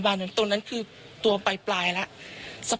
คุณผู้ชมฟังเสียงคุณธนทัศน์เล่ากันหน่อยนะคะ